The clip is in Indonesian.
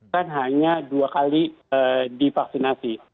kan hanya dua kali divaksinasi